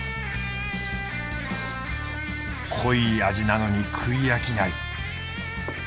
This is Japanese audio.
濃い味なのに食い飽きない。